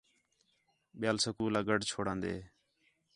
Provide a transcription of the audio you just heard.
ٻِیال سکول آ گڈھ چھوڑان٘دے